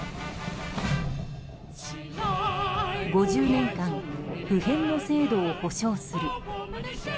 ５０年間不変の制度を保障する。